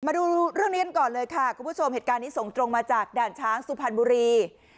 มาดูเรื่องนี้กันก่อนเลยค่ะคุณผู้ชมเหตุการณ์นี้ส่งตรงมาจากด่านช้างสุพรรณบุรี